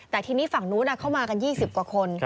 แต่ที่นี้ฝั่งนู้นเขามากันยี่สิบกว่าคน